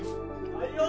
・はいよ。